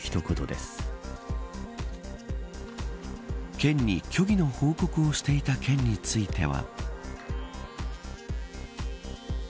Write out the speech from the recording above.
県に虚偽の報告をしていた件については。